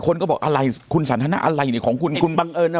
คนก็บอกอะไรคุณสันทนาอะไรเนี่ยของคุณคุณบังเอิญนะ